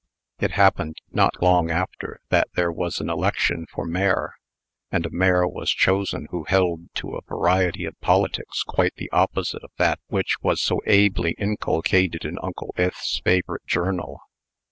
It happened, not long after, that there was an election for mayor; and a mayor was chosen who held to a variety of politics quite the opposite of that which was so ably inculcated in Uncle Ith's favorite journal.